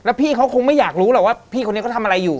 พี่เขาคงไม่อยากรู้หรอกว่าพี่คนนี้เขาทำอะไรอยู่